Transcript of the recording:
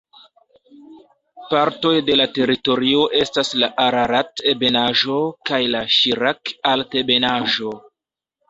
Partoj de la teritorio estas la Ararat-ebenaĵo kaj la Ŝirak-altebenaĵo.